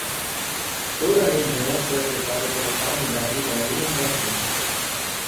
Toda a região foi afetada pela calamidade da inundação.